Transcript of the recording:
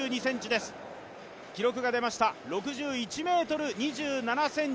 記録が出ました、６１ｍ２７ｃｍ。